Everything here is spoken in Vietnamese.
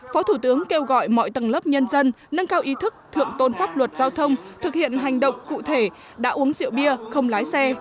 phó thủ tướng kêu gọi mọi tầng lớp nhân dân nâng cao ý thức thượng tôn pháp luật giao thông thực hiện hành động cụ thể đã uống rượu bia không lái xe